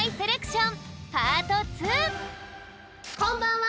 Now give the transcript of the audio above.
こんばんは！